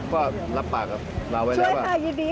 ก็รับปากกับเราไว้แล้วช่วยค่ะยินดีค่ะ